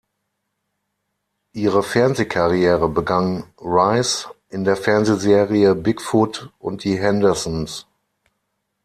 Ihre Fernsehkarriere begann Rice in der Fernsehserie Bigfoot und die Hendersons.